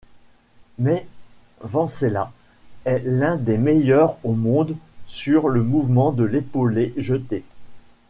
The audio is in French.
Mais Vencelas est l'un des meilleurs au monde sur le mouvement de l'épaulé-jeté.